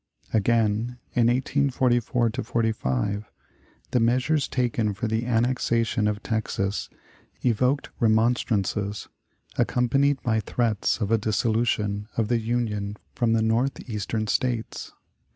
Again, in 1844 '45 the measures taken for the annexation of Texas evoked remonstrances, accompanied by threats of a dissolution of the Union from the Northeastern States.